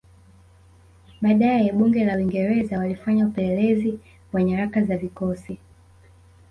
Baadae Bunge la Uingereza walifanya upelelezi wa nyaraka za vikosi